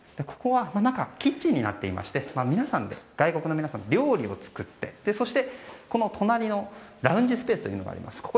ここは中キッチンになっていまして外国の皆さんで料理を作ってそして、この隣にラウンジスペースがあります。